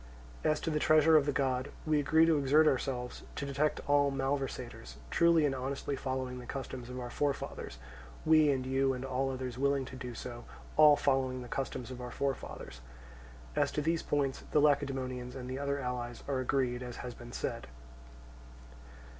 As to the treasure of the god, we agree to exert ourselves to detect all malversators, truly and honestly following the customs of our forefathers, we and you and all others willing to do so, all following the customs of our forefathers. As to these points the Lacedaemonians and the other allies are agreed as has been said.